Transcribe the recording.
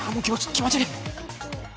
気持ち悪い。